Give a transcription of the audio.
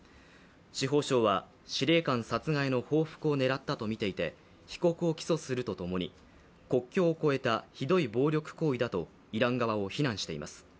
司法省は、司令官殺害の報復を狙ったとみていて被告を起訴すると共に、国境を越えたひどい暴力行為だとイラン側を非難しています。